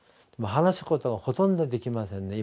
話すことはほとんどできませんね。